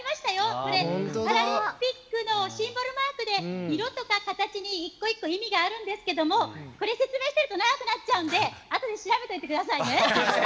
これはパラリンピックのシンボルマークで色とか形に１個１個意味があるんですけどこれ、説明していると長くなっちゃうのであとで調べてみてください。